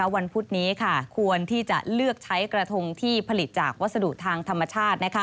วันพุธนี้ควรที่จะเลือกใช้กระทงที่ผลิตจากวัสดุทางธรรมชาติ